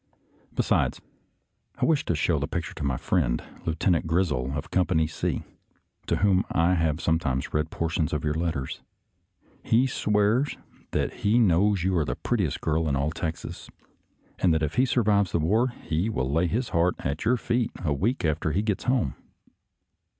Besides, I wish to show the picture to my friend. Lieutenant Grizzle of Com pany C, to whom I have sometimes read portions of your letters. He swears that he knows you are the prettiest girl in all Texas, and that if he survives the war he will lay his heart at your feet a week after he gets home.